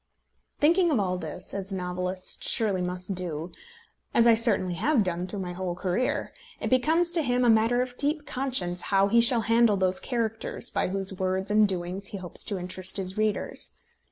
Thinking of all this, as a novelist surely must do, as I certainly have done through my whole career, it becomes to him a matter of deep conscience how he shall handle those characters by whose words and doings he hopes to interest his readers.